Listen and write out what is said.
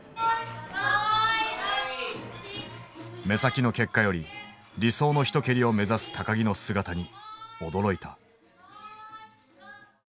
目先の結果より理想の一蹴りを目指す木の姿に驚いた。